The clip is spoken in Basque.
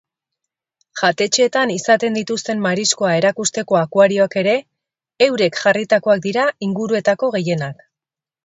Jatetxeetan izaten dituzten mariskoa erakusteko akuarioak ere, eurek jarritakoak dira inguruetako gehienak.